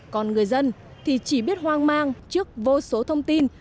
còn người dân thì chỉ biết hoang mang trước vô số thông tin